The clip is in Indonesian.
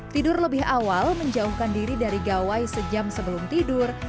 tidur lebih awal menjauhkan diri dari gawai sejam sebelum tidur